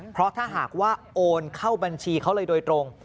เพราะถ้าหากว่าโอนเข้าบัญชีเขาเลยโดยตรง